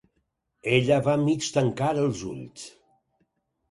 Ella va mig tancar els ulls.